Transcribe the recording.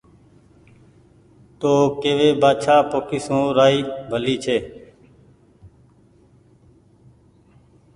تو ڪيوي بآڇآ پوکي سون رآئي ڀلي ڇي